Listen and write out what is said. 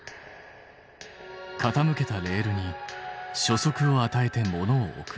傾けたレールに初速をあたえて物を置く。